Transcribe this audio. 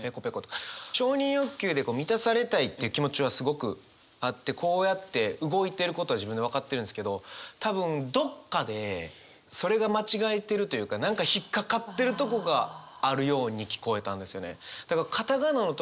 承認欲求で満たされたいっていう気持ちはすごくあってこうやって動いてることは自分で分かってるんですけど多分どっかでそれが間違えてるというか何か引っ掛かってるとこがあるように聞こえたんですよね。